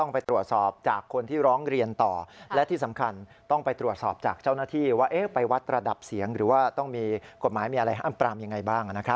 ผมว่ามันไม่ใช่นะครับ